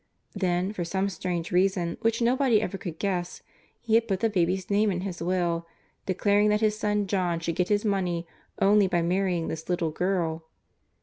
Then, for some strange reason, which nobody ever could guess, he had put the baby's name in his will, declaring that his son John should get his money only by marrying this little girl.